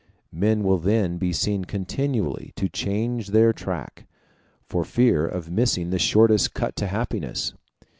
Men will then be seen continually to change their track, for fear of missing the shortest cut to happiness.